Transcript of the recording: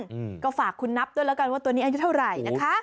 อืมก็ฝากคุณนับด้วยแล้วกันว่าตัวนี้อายุเท่าไหร่นะคะ